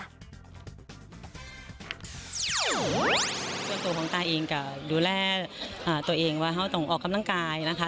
ส่วนตัวของตาเองก็ดูแลตัวเองว่าเขาต้องออกกำลังกายนะคะ